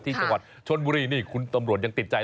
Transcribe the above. ที่จังหวัดชนบุรีนี่คุณตำรวจยังติดใจ